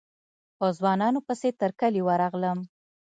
په ځوانانو پسې تر کلي ورغلم.